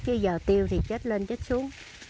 chứ giờ tiêu thì chết lên chết xuống